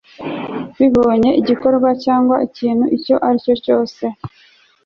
bibonye igikorwa cyangwa ikintu icyo ari cyo cyose